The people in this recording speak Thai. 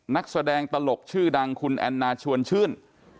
นักแสดงตลกชื่อดังคุณแอนนาชวนชื่น